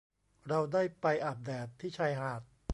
เราได้ไปอาบแดดที่ชายหาด